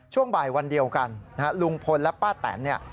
ช่วงบ่ายวันเดียวกันนะฮะลุงพลและป้าแตนเนี่ย